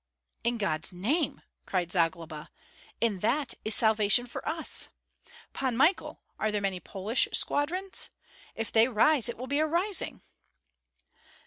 "In God's name!" cried Zagloba. "In that is salvation for us. Pan Michael, are there many Polish squadrons? If they rise, it will be a rising!"